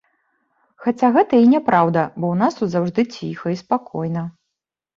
Хаця гэта і няпраўда, бо ў нас тут заўжды ціха і спакойна.